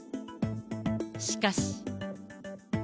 しかし。